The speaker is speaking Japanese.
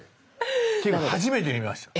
っていうか初めて見ました。